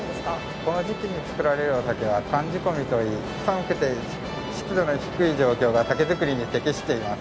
この時期に造られるお酒は寒仕込みといい湿度の低い状況が酒造りに適しています。